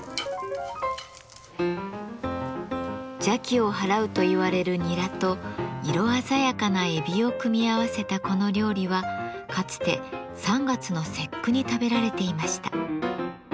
邪気を払うといわれるニラと色鮮やかなエビを組み合わせたこの料理はかつて３月の節句に食べられていました。